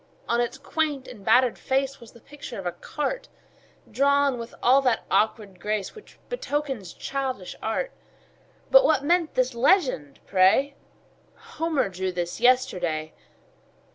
On its quaint and battered face Was the picture of a cart, Drawn with all that awkward grace Which betokens childish art; But what meant this legend, pray: "Homer drew this yesterday?"